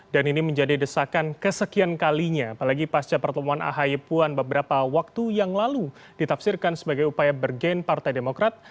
dan ini menjadi desakan kesekian kalinya apalagi pasca pertemuan ahi puan beberapa waktu yang lalu ditafsirkan sebagai upaya bergen partai demokrat